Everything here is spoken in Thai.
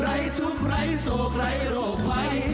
ทุกข์ไร้โศกไร้โรคภัย